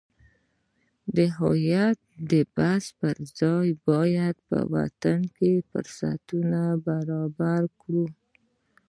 د هویت د بحث پرځای باید په وطن کې فرصتونه برابر کړو.